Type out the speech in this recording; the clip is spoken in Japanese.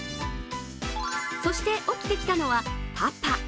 そして、起きてきたのはパパ。